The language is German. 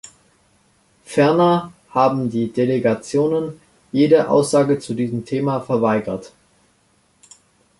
Ferner haben die Delegationen jede Aussage zu diesem Thema verweigert.